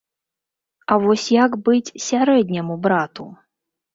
А вось як быць сярэдняму брату?